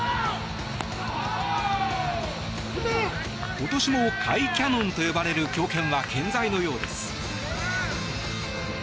今年も甲斐キャノンと呼ばれる強肩は健在のようです。